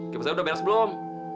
kebanyakan udah beres belum